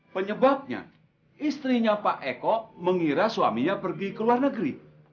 penyebabnya istrinya pak eko mengira suaminya pergi ke luar negeri